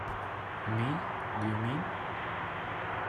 Me, do you mean?